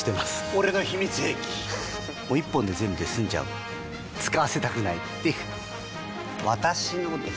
俺の秘密兵器１本で全部済んじゃう使わせたくないっていう私のです！